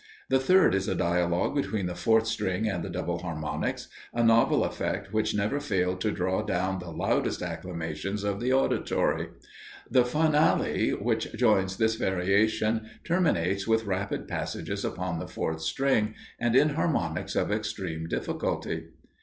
The third is a dialogue between the fourth string and the double harmonics; a novel effect which never failed to draw down the loudest acclamations of the auditory. The finale, which joins this variation, terminates with rapid passages upon the fourth string, and in harmonics of extreme difficulty.